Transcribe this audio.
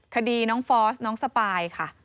คดีน้องฟอสน้องสปายค่ะ